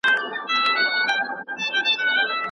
هغه معلومات چي ما پیدا کړي دي نوي دي.